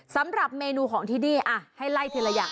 สำหรับเมนูของที่นี่ให้ไล่ทีละอย่าง